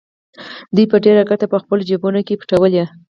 دوی به ډېرې ګټې په خپلو جېبونو کې پټولې